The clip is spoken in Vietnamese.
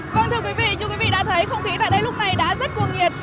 vâng thưa quý vị như quý vị đã thấy không khí tại đây lúc này đã rất cuồng nhiệt